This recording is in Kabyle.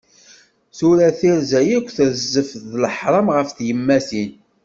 Tura tirza akk d trezzaf d leḥram ɣef tyemmatin.